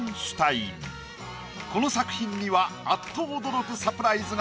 この作品にはあっと驚くサプライズが。